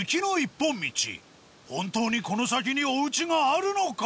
本当にこの先にお家があるのか？